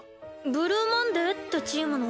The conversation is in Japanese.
ブルーマンデーってチームの。